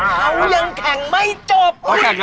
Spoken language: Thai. ให้ยังแค่งไม่จบ